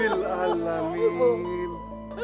ibu ibu ibu ibu